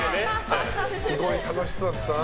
すごい楽しそうだったな。